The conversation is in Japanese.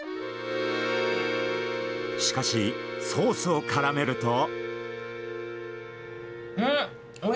しかし、ソースをからめると。